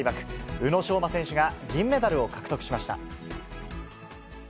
宇野昌磨選手が銀メダルを獲得しました。